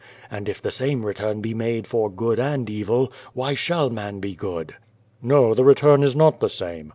And if the same return be nuide for good and evil, why shall man be good?" , "Xo, the return is not the same.